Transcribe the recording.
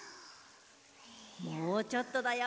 もうちょっとだよ。